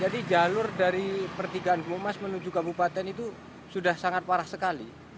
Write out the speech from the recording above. jadi jalur dari pertigaan gumukmas menuju kabupaten itu sudah sangat parah sekali